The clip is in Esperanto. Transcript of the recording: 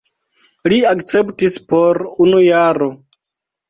Li akceptis por unu jaro.